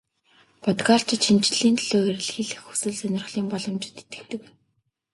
Бодгальчид шинэчлэлийн төлөө эрэлхийлэх хүсэл сонирхлын боломжид итгэдэг.